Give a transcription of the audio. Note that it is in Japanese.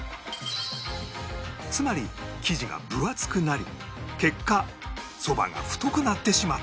つまり生地が分厚くなり結果そばが太くなってしまったのだ